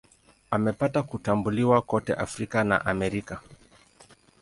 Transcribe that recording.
Amepata kutambuliwa kote Afrika na Amerika.